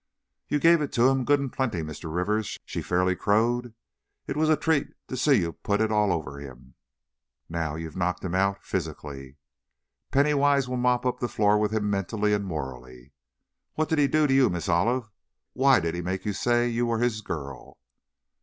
"You gave it to him, good and plenty, Mr. Rivers," she fairly crowed; "it was a treat to see you put it all over him! Now, you've knocked him out physically, Penny Wise will mop up the floor with him mentally and morally! What did he do to you, Miss Olive? Why did he make you say you were his girl?"